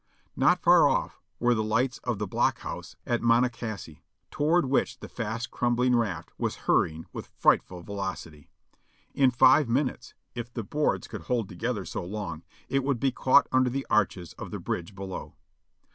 Not far off were the ligiits of the block house at Monocacy, toward which the fast crumb ling raft was hurrying with frightful velocity. In five minutes, if the boards could hold together so long, it would be caught under the arches of the bridge below.